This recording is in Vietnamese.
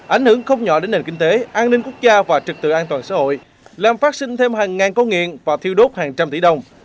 ảnh hưởng không nhỏ đến nền kinh tế an ninh quốc gia và trực tự an toàn xã hội làm phát sinh thêm hàng ngàn câu nghiện và thiêu đốt hàng trăm tỷ đồng